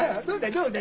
どうだ？